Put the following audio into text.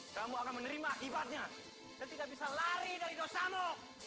kamu akan menerima akibatnya dan tidak bisa lari dari dosamu